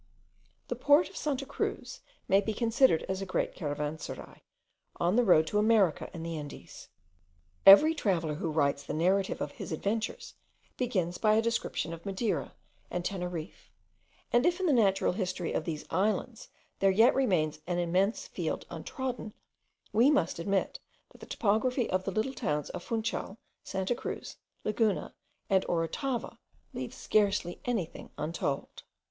The port of Santa Cruz may be considered as a great caravanserai, on the road to America and the Indies. Every traveller who writes the narrative of his adventures, begins by a description of Madeira and Teneriffe; and if in the natural history of these islands there yet remains an immense field untrodden, we must admit that the topography of the little towns of Funchal, Santa Cruz, Laguna, and Orotava, leaves scarcely anything untold.